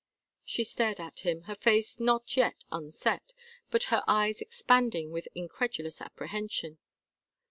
She stared at him, her face not yet unset, but her eyes expanding with incredulous apprehension.